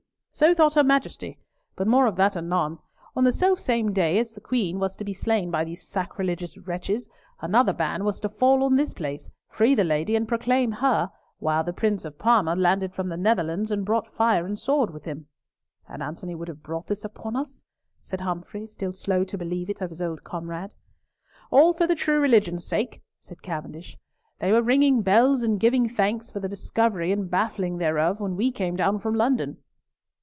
"So thought her Majesty. But more of that anon. On the self same day as the Queen was to be slain by these sacrilegious wretches, another band was to fall on this place, free the lady and proclaim her, while the Prince of Parma landed from the Netherlands and brought fire and sword with him." "And Antony would have brought this upon us?" said Humfrey, still slow to believe it of his old comrade. "All for the true religion's sake," said Cavendish. "They were ringing bells and giving thanks, for the discovery and baffling thereof, when we came down from London."